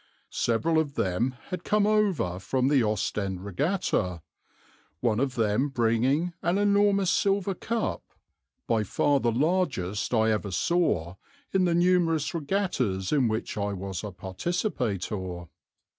Several of them had come over from the Ostend Regatta, one of them bringing an enormous silver cup, by far the largest I ever saw in the numerous regattas in which I was a participator.